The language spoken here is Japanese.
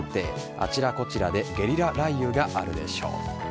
あちらこちらでゲリラ雷雨があるでしょう。